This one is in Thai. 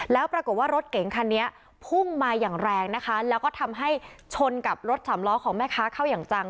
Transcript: แล้วปรากฏว่ารถเก๋งคันนี้พุ่งมาอย่างแรงนะคะแล้วก็ทำให้ชนกับรถสามล้อของแม่ค้าเข้าอย่างจัง